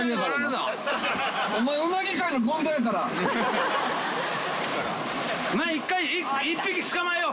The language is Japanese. まあ一回１匹捕まえよう。